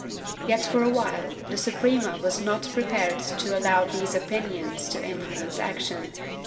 Yet for awhile the Suprema was not prepared to allow these opinions to influence action.